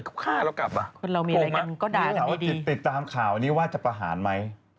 บุญเราก็ติดตามข่าวว่าจะประหารไหม